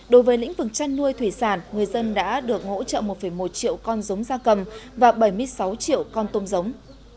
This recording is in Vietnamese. đối với lĩnh vực chăn nuôi thủy sản người dân đã được hỗ trợ một một triệu con giống gia cầm và bảy mươi sáu triệu con tôm giống